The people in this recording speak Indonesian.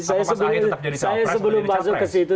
saya sebelum masuk ke situ